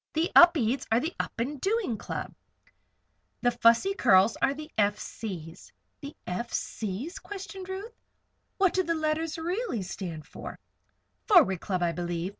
The Upedes are the Up and Doing Club. The Fussy Curls are the F. C.'s." "The F. C.'s?" questioned Ruth. "What do the letters really stand for?" "Forward Club, I believe.